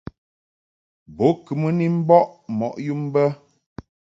Bo kɨ mɨ ni mbɔʼ mɔʼ yum bə.